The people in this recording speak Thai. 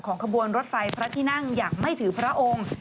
ขบวนรถไฟพระที่นั่งอย่างไม่ถือพระองค์